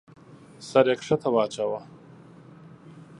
سر يې کښته واچاوه.